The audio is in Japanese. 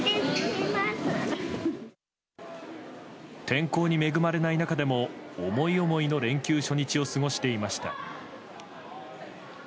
天候に恵まれない中でも思い思いの連休初日を過ごしていました。